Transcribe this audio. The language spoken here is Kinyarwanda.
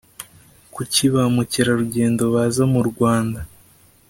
Kuki ba mukerarugendo baza mu Rwanda?